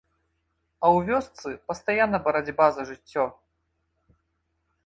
А ў вёсцы пастаянная барацьба за жыццё.